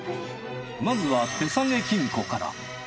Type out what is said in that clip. まずは手提げ金庫から。